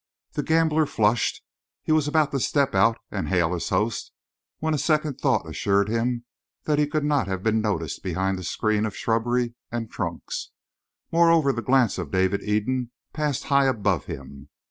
The gambler flushed; he was about to step out and hail his host when a second thought assured him that he could not have been noticed behind that screen of shrubbery and trunks; moreover the glance of David Eden passed high above him.